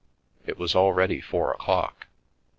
It was already four o'clock.